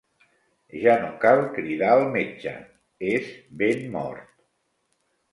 Ja no cal cridar el metge: és ben mort.